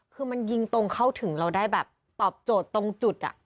คือมันยิงตรงเข้าถึงเราได้แบบตอบโจทย์ตรงจุด